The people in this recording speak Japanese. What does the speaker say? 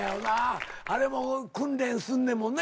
あれも訓練すんねんもんね